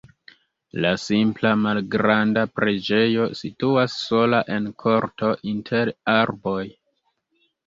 La simpla malgranda preĝejo situas sola en korto inter arboj.